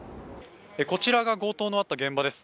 こちらが強盗のあった現場です。